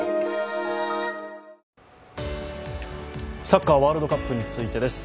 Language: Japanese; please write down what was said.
サッカーワールドカップについてです。